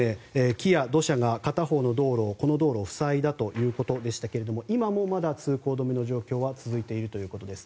一時は、木や土砂が片方の道路を塞いだということでしたけれども今もなお通行止めの状況は続いているということです。